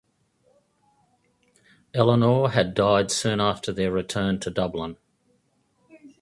Eleanor had died soon after their return to Dublin.